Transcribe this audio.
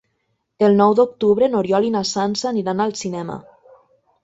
El nou d'octubre n'Oriol i na Sança aniran al cinema.